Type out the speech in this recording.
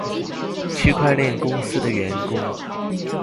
區塊鏈公司的員工